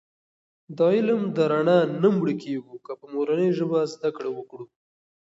د علم د رڼا نه مړکېږو که په مورنۍ ژبه زده کړه وکړو.